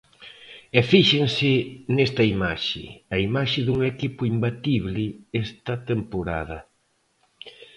E fíxense nesta imaxe, a imaxe dun equipo imbatible esta temporada.